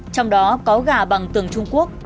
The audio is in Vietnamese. trong đó có gà bằng tường trung quốc